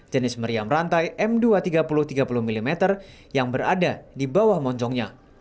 jenis meriam rantai m dua ratus tiga puluh tiga puluh mm yang berada di bawah moncongnya